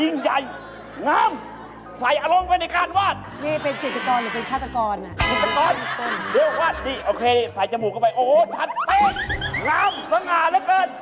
งามสง่านเหลือเกิน